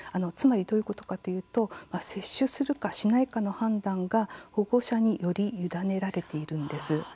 つまり、どういうことかというと接種するかしないかの判断が保護者により委ねられているんです。